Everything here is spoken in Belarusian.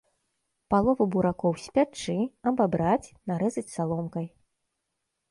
Палову буракоў спячы, абабраць, нарэзаць саломкай.